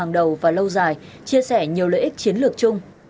hàng đầu và lâu dài chia sẻ nhiều lợi ích chiến lược chung